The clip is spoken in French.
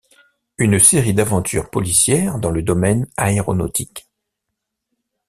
Une série d’aventures policières dans le domaine aéronautique.